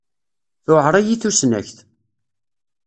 Tuεer-iyi tusnakt.